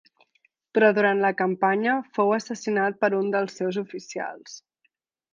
Però durant la campanya fou assassinat per un dels seus oficials.